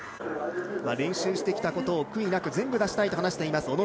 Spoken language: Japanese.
練習してきたことを悔いなく全部出したいと話しています。